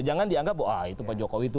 jangan dianggap wah itu pak jokowi itu